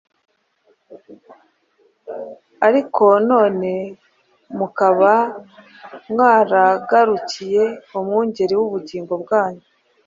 ariko none mukaba mwaragarukiye umwungeri w’ubugingo bwanyu,